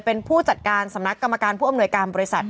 เป็นผู้จัดการสำนักกรรมการผู้อำนวยการบริษัท